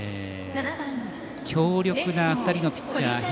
強力な２人のピッチャー。